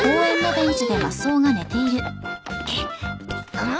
うん？